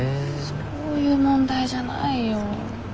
そういう問題じゃないよ。